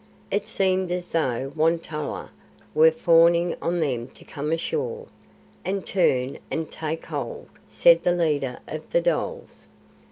It seemed as though Won tolla were fawning on them to come ashore; and "Turn and take hold!" said the leader of the dholes.